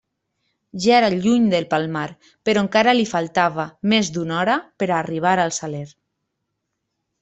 Ja era lluny del Palmar, però encara li faltava més d'una hora per a arribar al Saler.